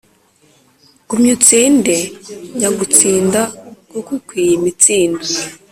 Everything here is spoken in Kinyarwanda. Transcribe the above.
gumya utsinde nyagutsinda koko ukwiye imitsindo,